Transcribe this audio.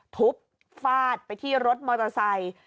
ทุบฟาดไปที่รถมอเตอร์ไซค์